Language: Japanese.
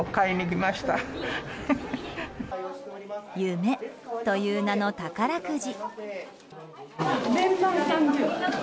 夢という名の宝くじ。